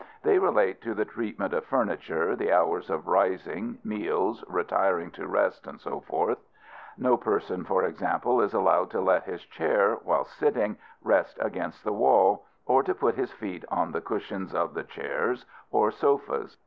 They relate to the treatment of furniture, the hours of rising, meals, retiring to rest, &c. No person, for example, is allowed to let his chair, while sitting, rest against the wall, or to put his feet on the cushions of the chairs or sofas.